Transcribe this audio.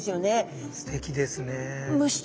すてきですね。